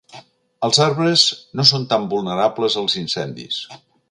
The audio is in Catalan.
Els arbres no són tan vulnerables als incendis.